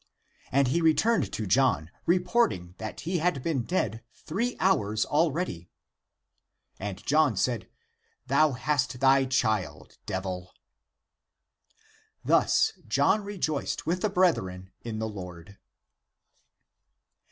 And he returned to John, reporting that he had been dead three hours already. And John said, " Thou hast thy child, devil !" Thus John rejoiced with the brethren in the Lord.